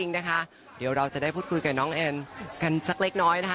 เดี๋ยวเราจะได้พูดคุยกับน้องแอนกันสักเล็กน้อยนะคะ